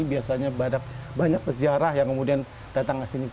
biasanya banyak peziarah yang kemudian datang ke sini